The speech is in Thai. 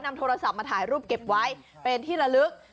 นำโทรศัพท์มาถ่ายรูปเก็บไว้เป็นที่ละลึก